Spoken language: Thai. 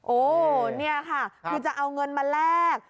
โอ้นี่ค่ะคือจะเอาเงินมาแลก